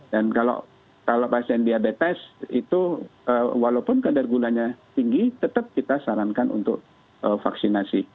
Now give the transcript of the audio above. dan kalau pasien diabetes itu walaupun kadar gulanya tinggi tetap kita sarankan untuk vaksinasi